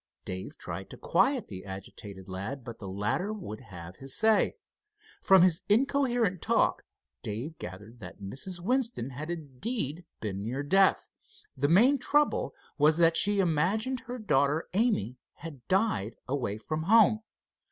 Dave tried to quiet the agitated lad, but the latter would have his say. From his incoherent talk Dave gathered that Mrs. Winston had indeed been near death. The main trouble was that she imagined her daughter Amy had died away from home.